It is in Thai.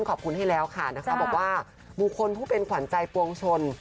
ขอบคุณให้แล้วค่ะนะคะบอกว่าบุคคลผู้เป็นขวัญใจปวงชน